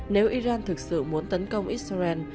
nếu iran thực sự muốn tấn công israel